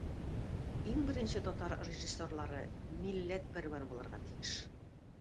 Иң беренче татар режиссерлары милләтпәрвәр булырга тиеш.